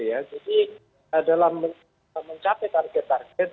jadi dalam mencapai target target